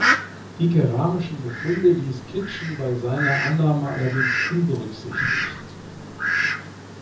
Die keramischen Befunde ließ Kitchen bei seiner Annahme allerdings unberücksichtigt.